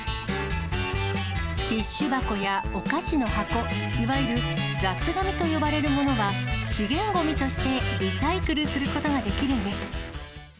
ティッシュ箱やお菓子の箱、いわゆる雑がみと呼ばれるものは、資源ごみとしてリサイクルすることができるんです。